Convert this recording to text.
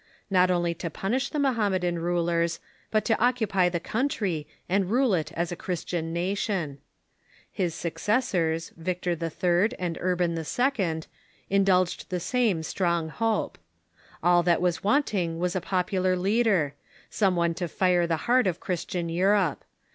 'l® not only to punish the Mohammedan rulers, but to oc Hermit ,,,• /^t •• cupy the country, and rule it as a Christian nation. His successors, Victor III. and Urban II., indulged the same strong hope. All that was wanting was a popular leader — some one to fire the heart of Christian Europe.